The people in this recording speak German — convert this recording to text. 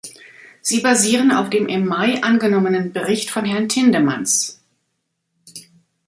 Sie basieren auf dem im Mai angenommenen Bericht von Herrn Tindemans.